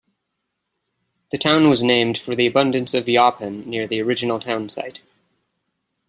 The town was named for the abundance of yaupon near the original town site.